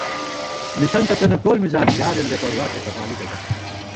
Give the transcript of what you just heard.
مِسَنتہ پېنہ کول مِزان یارېن بے پروا تھِتہ بالِکہ ژا